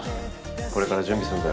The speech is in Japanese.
これから準備すんだよ。